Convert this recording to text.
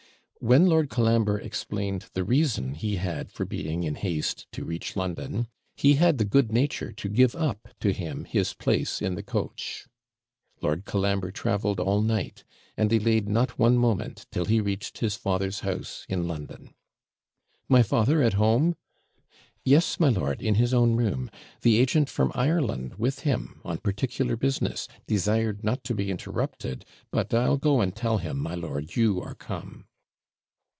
When Lord Colambre explained the reason he had for being in haste to reach London, he had the good nature to give up to him his place in the coach. Lord Colambre travelled all night, and delayed not one moment, till he reached his father's house in London. 'My father at home?' 'Yes, my lord, in his own room the agent from Ireland with him, on particular business desired not to be interrupted but I'll go and tell him, my lord, you are come.'